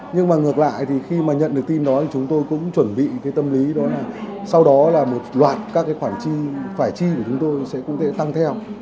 nhưng mà ngược lại thì khi mà nhận được tin đó thì chúng tôi cũng chuẩn bị cái tâm lý đó là sau đó là một loạt các cái khoản chi phải chi của chúng tôi sẽ cũng sẽ tăng theo